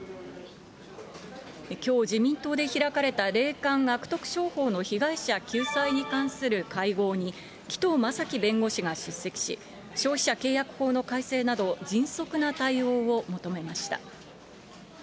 きょう、自民党で開かれた霊感悪徳商法の被害者救済に関する会合に、紀藤正樹弁護士が出席し、消費者契約法の改正など、迅速な対応を求めました。